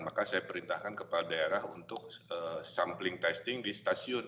maka saya perintahkan kepala daerah untuk sampling testing di stasiun